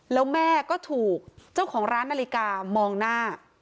แล้วแม่ก็ถูกเจ้าของร้านนาฬิกามองหน้า